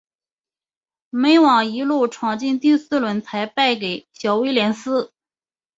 美网一路闯进第四轮才败给小威廉丝。